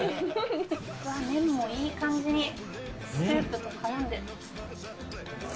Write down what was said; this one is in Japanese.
うわぁ、麺もいい感じにスープとからんで。